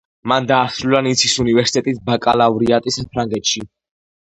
მან დაასრულა ნიცის უნივერსიტეტის ბაკალავრიატი საფრანგეთში.